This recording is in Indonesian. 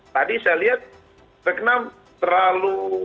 tadi saya lihat vietnam terlalu